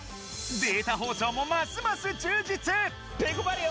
データ放送もますます充実！